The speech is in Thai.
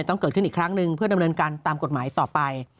ต้องเกิดขึ้นอีกครั้งหนึ่งเพื่อดำเนินการตามกฎหมายต่อไป